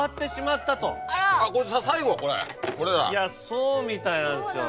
そうみたいなんですよ